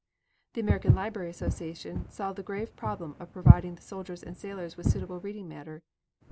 The American Library Association solved the grave problem of providing the soldiers and sailors with suitable reading matter.